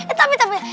eh tapi tapi